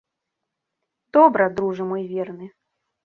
Добра, дружа мой верны!